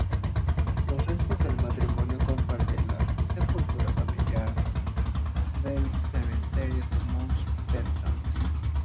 Los restos del matrimonio comparten la sepultura familiar del Cementerio de Mount Pleasant.